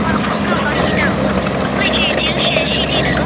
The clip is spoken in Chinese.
她与李绍希曾赢得世界羽毛球锦标赛女双季军。